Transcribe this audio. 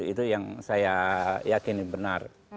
itu yang saya yakini benar